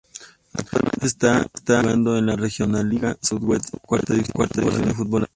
Actualmente está jugando en la Regionalliga Südwest, cuarta división del fútbol alemán.